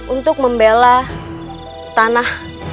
untuk membela tanah